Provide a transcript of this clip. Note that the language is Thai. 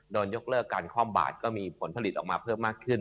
โดนยกเลิกการคล่อมบาดก็มีผลผลิตออกมาเพิ่มมากขึ้น